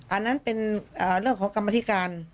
อันนั้นเป็นเรื่องของกรรมธิการ